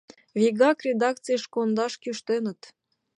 Вигак редакцийыш кондаш кӱштеныт.